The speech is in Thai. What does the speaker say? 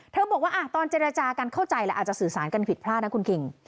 เธอบอกว่าอ่ะตอนเจรจาการเข้าใจแล้วอาจจะสื่อสารกันผิดพลาดนะคุณกิ่ง